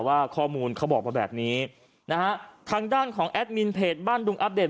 ว่าข้อมูลเขาบอกมาแบบนี้นะฮะทางด้านของแอดมินเพจบ้านดุงอัปเดต